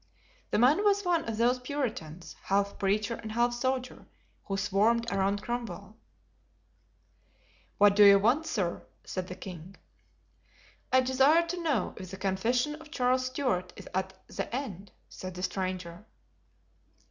The man was one of those Puritans, half preacher and half soldier, who swarmed around Cromwell. "What do you want, sir?" said the king. "I desire to know if the confession of Charles Stuart is at an end?" said the stranger.